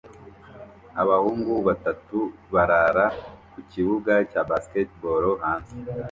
Abahungu batatu barara ku kibuga cya basketball hanze